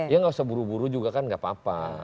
ya nggak usah buru buru juga kan nggak apa apa